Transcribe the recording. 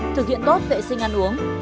thực hiện tốt vệ sinh ăn uống